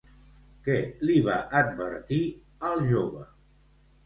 Què li va advertir al jove?